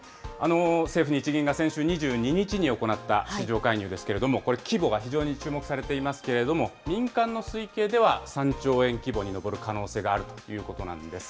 政府・日銀が先週２２日に行った市場介入ですけれども、これ、規模が非常に注目されていますけれども、民間の推計では３兆円規模に上る可能性があるということなんです。